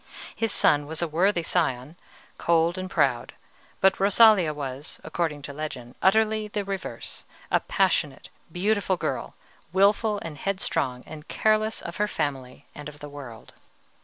His son was a worthy scion, cold and proud; but Rosalia was, according to legend, utterly the reverse, a passionate, beautiful girl, wilful and headstrong, and careless of her family and the world.